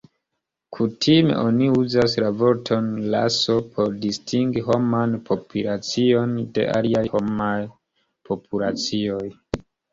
Kutime oni uzas la vorton 'raso' por distingi homan populacion de aliaj homaj populacioj.